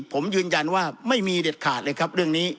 ผมยืนยันว่าไม่มีเด็ดขาดเลยครับเรื่องนี้